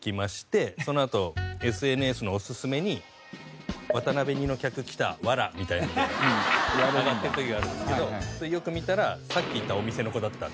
そのあとＳＮＳのオススメに「渡辺似の客キタワラ」みたいのでワードが上がってる時があるんですけどそれよく見たらさっき行ったお店の子だったんですよね。